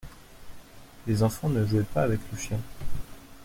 Les enfants ne jouaient pas avec le chien.